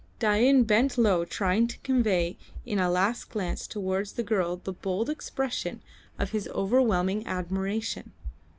Dain bent low trying to convey in a last glance towards the girl the bold expression of his overwhelming admiration.